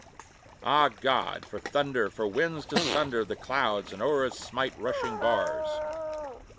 Ah, God! for thunder! for winds to sunder The clouds and o'er us smite rushing bars!